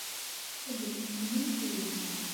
Ad d-mekknent winna.